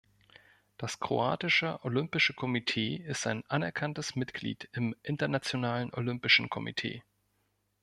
Das Kroatische Olympische Komitee ist ein anerkanntes Mitglied im Internationalen Olympischen Komitee.